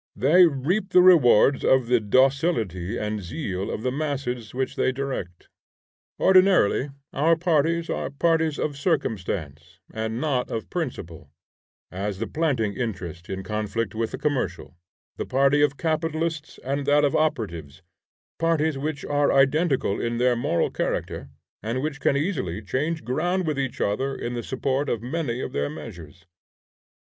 They reap the rewards of the docility and zeal of the masses which they direct. Ordinarily our parties are parties of circumstance, and not of principle; as the planting interest in conflict with the commercial; the party of capitalists and that of operatives; parties which are identical in their moral character, and which can easily change ground with each other in the support of many of their measures.